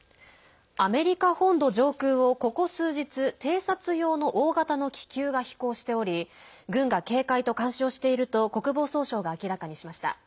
アメリカ本土上空を、ここ数日偵察用の大型の気球が飛行しており軍が警戒と監視をしていると国防総省が明らかにしました。